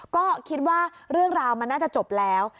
ก็คิดว่าเรื่องราวมันน่าจะจบแล้ว